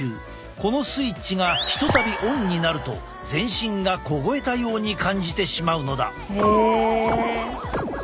このスイッチがひとたびオンになると全身が凍えたように感じてしまうのだ。